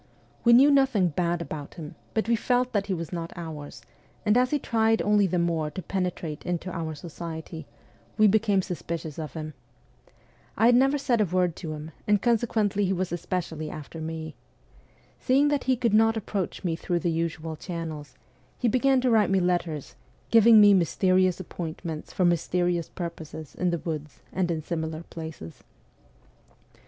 We knew nothing bad about him, but we felt that he was not ' ours,' and as he tried only the more to penetrate into our society, we became suspicious of him. I had never said a word to him, and conse quently he was especially after me. Seeing that he could not approach me through the usual channels, he began to write me letters, giving me mysterious appointments for mysterious purposes in the woods and in similar places.